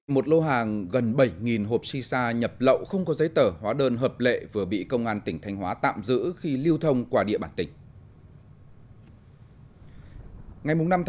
một lô hàng gần bảy hộp shisha nhập lậu không có giấy tờ hóa đơn hợp lệ vừa bị công an tỉnh thanh hóa tạm giữ khi lưu thông qua địa bàn tỉnh